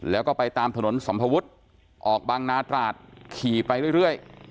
แล้วก็ไปตามถนนสัมภวุฒิออกบางนาตราดขี่ไปเรื่อย